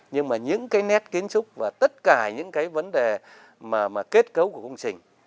nhưng mà những nét kiến trúc và tất cả những vấn đề kết cấu của công trình